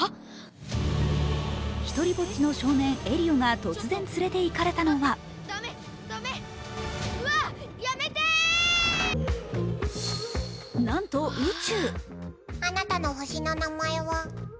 独りぼっちの少年・エリオが突然連れて行かれたのはなんと宇宙。